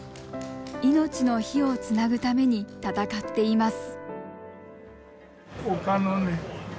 命の火をつなぐために闘っています。